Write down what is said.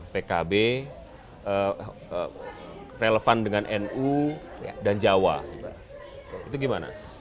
pkb relevan dengan nu dan jawa itu gimana